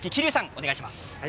お願いします。